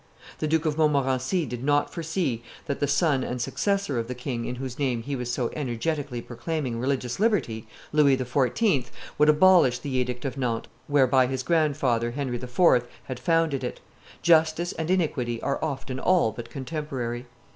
The Duke of Montmorency did not foresee that the son and successor of the king in whose name he was so energetically proclaiming religious liberty, Louis XIV., would abolish the edict of Nantes whereby his grandfather, Henry IV., had founded it. Justice and iniquity are often all but contemporary.